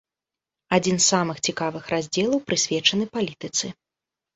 Адзін з самых цікавых раздзелаў прысвечаны палітыцы.